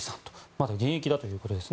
まだ現役だということです。